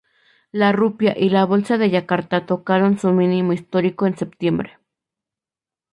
La rupia y la Bolsa de Yakarta tocaron su mínimo histórico en septiembre.